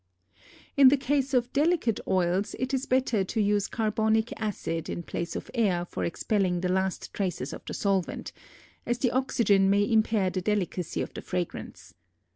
[Illustration: FIG. 30.] In the case of delicate oils it is better to use carbonic acid in place of air for expelling the last traces of the solvent, as the oxygen may impair the delicacy of the fragrance.